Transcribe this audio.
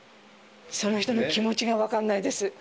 その人の気持ちが分かんないです。